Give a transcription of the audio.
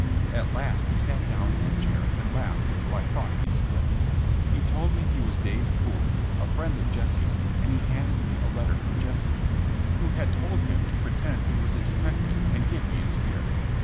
At last he sat down in a chair and laughed until I thought he'd split. He told me he was Dave Poole, a friend of Jesse ^s, and he handed me' a letter from Jesse, who had told him to pretend he was a detective and give me a scare.